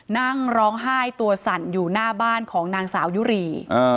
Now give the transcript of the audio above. นั่งร้องไห้ตัวสั่นอยู่หน้าบ้านของนางสาวยุรี